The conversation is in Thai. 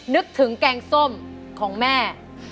นึกถึงแกงส้มของแม่